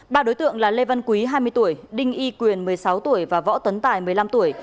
ba đối tượng là lê văn quý hai mươi tuổi đinh y quyền một mươi sáu tuổi và võ tấn tài một mươi năm tuổi